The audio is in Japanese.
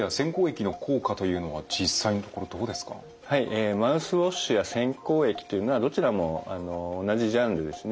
えマウスウォッシュや洗口液というのはどちらも同じジャンルですね。